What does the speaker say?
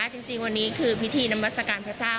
จริงวันนี้คือพิธีนามัศกาลพระเจ้า